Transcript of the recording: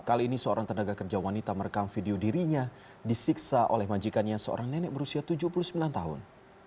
kali ini seorang tenaga kerja wanita merekam video dirinya disiksa oleh majikannya seorang nenek berusia tujuh puluh sembilan tahun